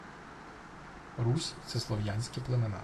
Русь – це слов'янські племена